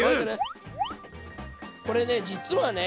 これね実はね